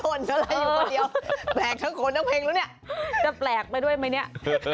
โอ้ยแปลกทั้งคนทั้งเพลงแล้วเนี่ย